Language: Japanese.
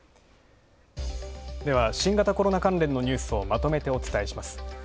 新型コロナ関連のニュースをまとめてお伝えします。